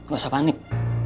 gak usah panik